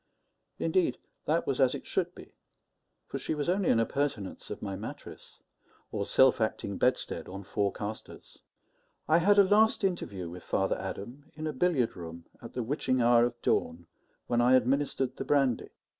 Indeed, that was as it should be; for she was only an appurtenance of my mattress, or self acting bedstead on four castors. I had a last interview with Father Adam in a billiard room at the witching hour of dawn, when I administered the brandy.